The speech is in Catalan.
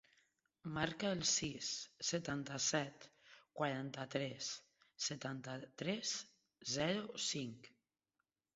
Marca el sis, setanta-set, quaranta-tres, setanta-tres, zero, cinc.